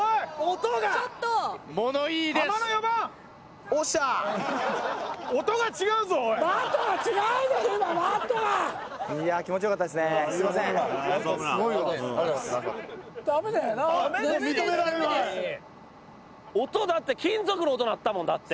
音金属の音鳴ったもんだって。